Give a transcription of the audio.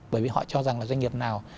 bởi vì họ cho rằng là doanh nghiệp nào